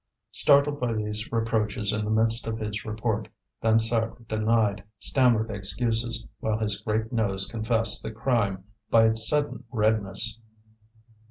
Startled by these reproaches in the midst of his report, Dansaert denied, stammered excuses, while his great nose confessed the crime by its sudden redness.